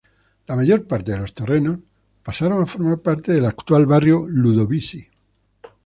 La mayor parte de los terrenos pasaron a formar parte del actual barrio Ludovisi.